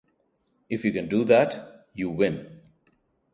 If you can do that, you win.